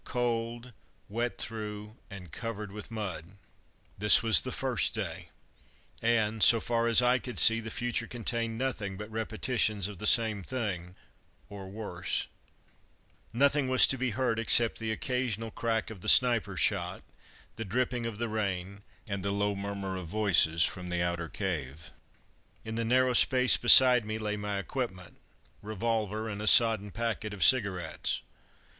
Cold, wet through and covered with mud. This was the first day; and, so far as I could see, the future contained nothing but repetitions of the same thing, or worse. [Illustration: rucksacks] Nothing was to be heard except the occasional crack of the sniper's shot, the dripping of the rain, and the low murmur of voices from the outer cave. In the narrow space beside me lay my equipment; revolver, and a sodden packet of cigarettes.